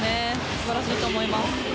素晴らしいと思います。